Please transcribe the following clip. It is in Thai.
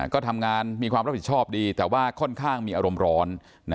ก็ทำงานมีความรับผิดชอบดีแต่ว่าค่อนข้างมีอารมณ์ร้อน